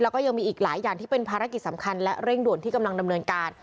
แล้วก็ยังมีอีกหลายอย่างที่เป็นภารกิจสำคัญและเร่งด่วนที่กำลังดำเนินการ